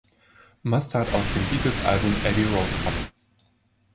Mustard" aus dem Beatles-Album "Abbey Road" ab.